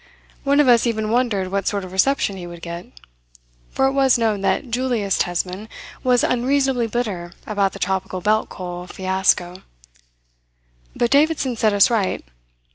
One of us even wondered what sort of reception he would get; for it was known that Julius Tesman was unreasonably bitter about the Tropical Belt Coal fiasco. But Davidson set us right.